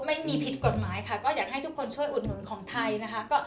ไม่มีผิดกฎหมายค่ะก็อยากให้ทุกคนช่วยอุดหนุนของไทยนะคะ